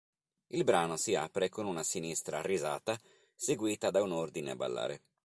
Il brano si apre con una sinistra risata seguita da un ordine a ballare.